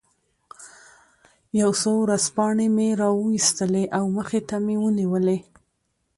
یو څو ورځپاڼې مې را وویستلې او مخې ته مې ونیولې.